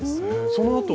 そのあとは？